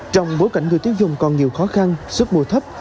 trong bối cảnh người tiêu dùng còn nhiều khó khăn sức mùa thấp